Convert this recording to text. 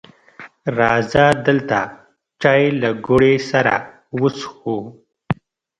راځه دلته چای له ګوړې سره وڅښو